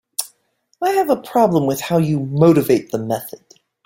I have a problem with how you motivate the method.